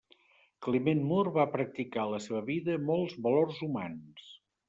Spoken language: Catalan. Climent Mur va practicar a la seva vida molts valors humans.